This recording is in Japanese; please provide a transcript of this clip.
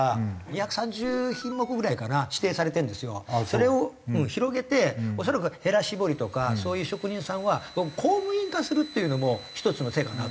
それを広げて恐らくへら絞りとかそういう職人さんは僕公務員化するっていうのも一つの手かなと。